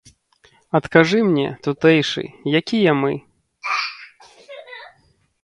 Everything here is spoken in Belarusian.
Адкажы мне, тутэйшы, якія мы?